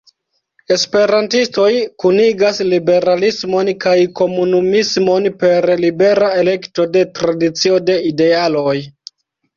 Esperantistoj kunigas liberalismon kaj komunumismon per libera elekto de tradicio de idealoj.